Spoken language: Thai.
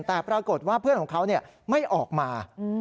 แต่ปรากฏว่าเพื่อนของเขาไม่ออกมา